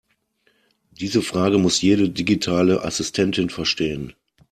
Diese Frage muss jede digitale Assistentin verstehen.